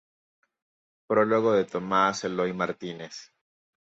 Prólogo de Tomás Eloy Martínez.